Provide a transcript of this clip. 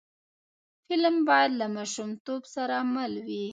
فلم باید له ماشومتوب سره مل وي